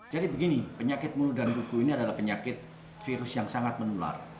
jadi begini penyakit mulut dan kuku ini adalah penyakit virus yang sangat menular